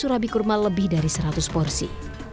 surabi kurma lebih dari seratus porsi